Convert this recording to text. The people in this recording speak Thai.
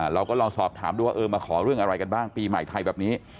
เราก็ลองสอบถามดูว่าเออมาขอเรื่องอะไรกันบ้างปีใหม่ไทยแบบนี้